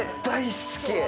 大好き‼